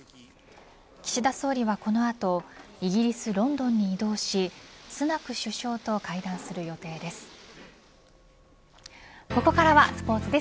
岸田総理はこの後イギリス、ロンドンに移動しスナク首相と会談する予定です。